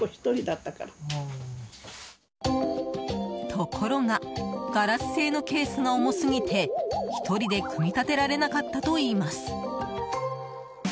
ところがガラス製のケースが重すぎて１人で組み立てられなかったといいます。